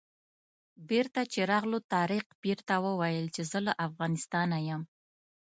بېرته چې راغلو طارق پیر ته وویل چې زه له افغانستانه یم.